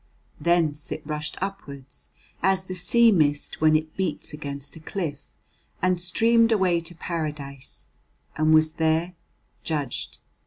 Thence it rushed upwards, as the sea mist when it beats against a cliff, and streamed away to Paradise, and was there judged.